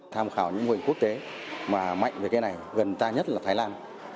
tham khảo những mô hình quốc tế mà mạnh về cái này gần ta nhất là thái lan